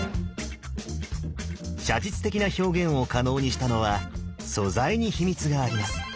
写実的な表現を可能にしたのは素材に秘密があります。